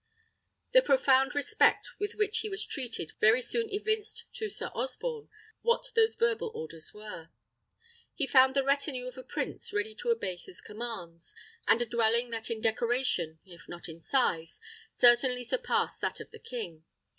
The profound respect with which he was treated very soon evinced to Sir Osborne what those verbal orders were. He found the retinue of a prince ready to obey his commands, and a dwelling that in decoration, if not in size, certainly surpassed that of the king.